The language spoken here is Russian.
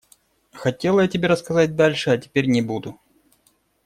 Хотела я тебе рассказать дальше, а теперь не буду.